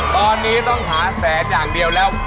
ตอนนี้ต้องหาแสนอย่างเดียวแล้ว